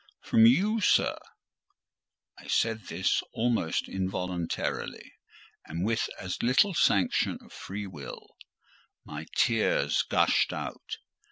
"From you, sir." I said this almost involuntarily, and, with as little sanction of free will, my tears gushed out.